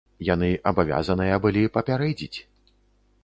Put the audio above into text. Яны абавязаныя былі папярэдзіць.